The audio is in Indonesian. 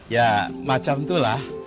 ya macam itulah